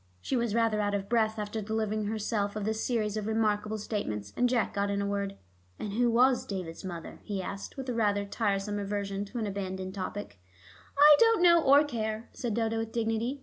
She was rather out of breath after delivering herself of this series of remarkable statements, and Jack got in a word. "And who was David's mother?" he asked, with a rather tiresome reversion to an abandoned topic. "I don't know or care," said Dodo with dignity.